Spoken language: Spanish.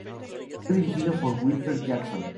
Fue dirigido por Wilfred Jackson.